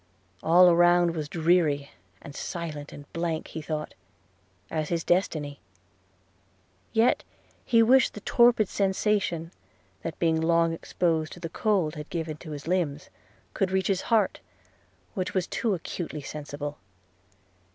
All around was dreary and silent; and blank, he thought, as his destiny. Yet he wished the torpid sensation that being long exposed to the cold had given to his limbs could reach his heart, which was too acutely sensible!